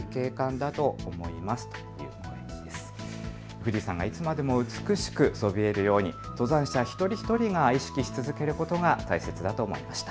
富士山がいつまでも美しくそびえるように登山者一人一人が意識し続けることが大切だと思いました。